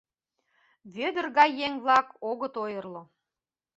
Вӧдыр гай еҥ-влак огыт ойырло.